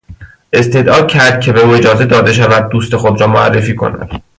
استدعا کرد که به او اجازه داده شود دوست خود را معرفی کند.